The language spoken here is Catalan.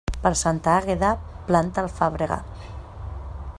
Per Santa Àgueda, planta alfàbega.